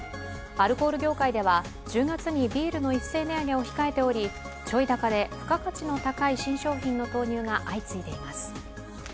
アルコール業界では、１０月にビールの一斉値上げを控えておりちょい高で付加価値の高い新商品の投入が相次いでいます。